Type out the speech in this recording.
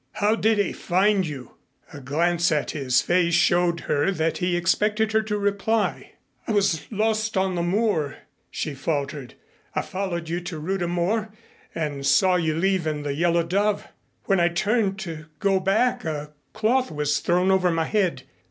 How did he find you?" A glance at his face showed her that he expected her to reply. "I was lost on the moor," she faltered. "I followed you to Rudha Mor and saw you leave in the Yellow Dove. When I turned to go back, a cloth was thrown over my head.